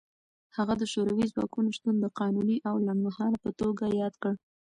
هغه د شوروي ځواکونو شتون د قانوني او لنډمهاله په توګه یاد کړ.